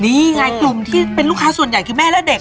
นี่ไงเป็นลูกค้าส่วนใหญ่คือแม่และเด็กอะ